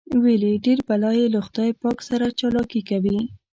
ویل یې ډېر بلا یې له خدای پاک سره چالاکي کوي.